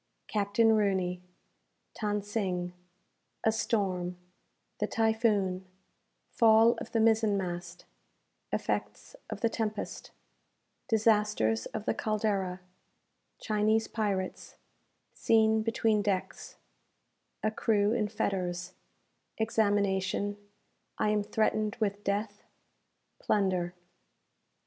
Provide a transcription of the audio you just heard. Captain Rooney Than Sing A Storm The Typhoon Fall of the Mizen mast Effects of the Tempest Disasters of the "Caldera" Chinese Pirates Scene between Decks A Crew in Fetters Examination I am threatened with Death Plunder.